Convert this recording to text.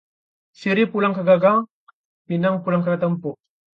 Sirih pulang ke gagang, pinang pulang ke tampuk